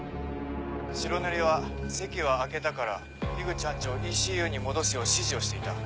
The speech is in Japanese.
白塗りは席は空けたから口班長をＥＣＵに戻すよう指示をしていた。